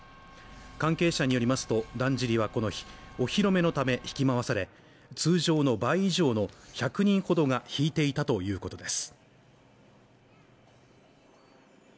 関係者によりますと、だんじりはこの日お披露目のため引き回され、通常の倍以上の１００人ほどが引いていたということです。